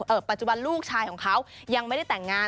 ปัจจุบันลูกชายของเขายังไม่ได้แต่งงาน